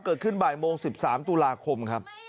เกิดขึ้นบ่ายโมง๑๓ตุลาคมครับ